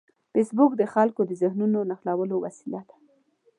فېسبوک د خلکو د ذهنونو نښلولو وسیله ده